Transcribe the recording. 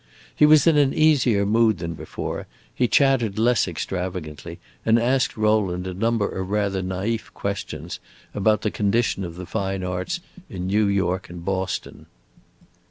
He was in an easier mood than before, he chattered less extravagantly, and asked Rowland a number of rather naif questions about the condition of the fine arts in New York and Boston.